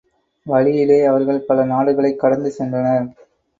வழியிலே அவர்கள் பல நாடுகளைக் கடந்து சென்றனர்.